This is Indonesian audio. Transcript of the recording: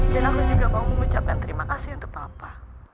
dan aku juga mau mengucapkan terima kasih untuk papa